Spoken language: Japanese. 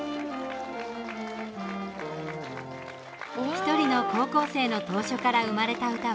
１人の高校生の投書から生まれた歌は